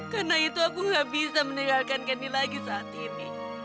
karena itu aku gak bisa meninggalkan candy lagi saat ini